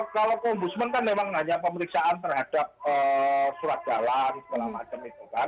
kalau ke ombudsman kan memang hanya pemeriksaan terhadap surat jalan segala macam itu kan